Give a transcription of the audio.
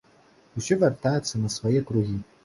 Усё вяртаецца на свае кругі.